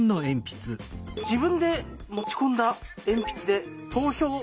「自分で持ち込んだ鉛筆で投票」。